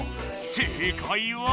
正解は？